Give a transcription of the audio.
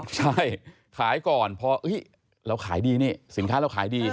ใช่ขายก่อนพอเราขายดีนี่สินค้าเราขายดี